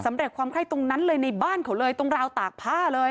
เร็จความไข้ตรงนั้นเลยในบ้านเขาเลยตรงราวตากผ้าเลย